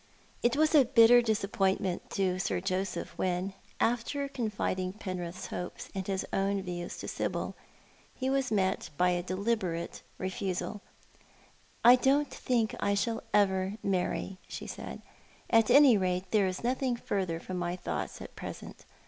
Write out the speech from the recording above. It was a bitter disappointment to Sir Joseph when, after confiding Penrith's hopes and his own yiews to Sibyl, he was met by a deliberate refusal. " I don't think I shall ever marry," she said. " At any rate, there is nothing further from my thoughts at present.